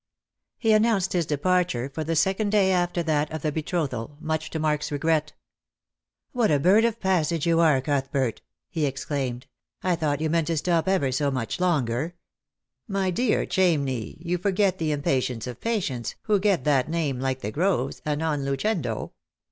He announced his departure for the secono. day after that of me betrothal, much to Mark's regret. 156 jjost jor ljove. " What a bird of passage you are, Cuthbert !" he exclaimed, " I thought you meant to stop ever so much longer !"" My dear Chamney, you forget the impatience of patients, who get that name like the groves — a non lucendo.